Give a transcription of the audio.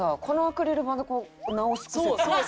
そう！